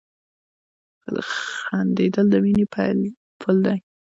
• خندېدل د مینې پل دی.